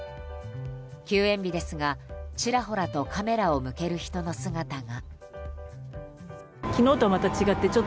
休園日ですが、ちらほらとカメラを向ける人の姿が。